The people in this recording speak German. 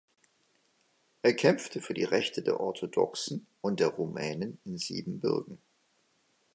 Er kämpfte für die Rechte der Orthodoxen und der Rumänen in Siebenbürgen.